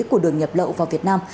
của đường nhập lậu vào việt nam